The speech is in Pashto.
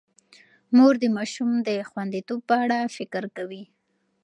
مور د ماشومانو د خوندیتوب په اړه فکر کوي.